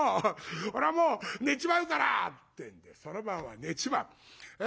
俺はもう寝ちまうから」ってその晩は寝ちまう。